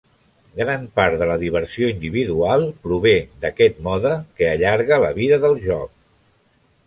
Gran part de la diversió individual prové d'aquest mode que allarga la vida del joc.